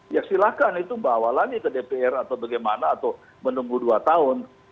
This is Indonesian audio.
ya silahkan itu bawa lagi ke dpr atau bagaimana atau menunggu dua tahun